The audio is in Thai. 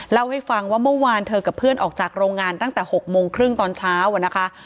เล่าให้ฟังว่าเมื่อวานเธอกับเพื่อนออกจากโรงงานตั้งแต่๖โมงครึ่งตอนเช้าอะนะคะ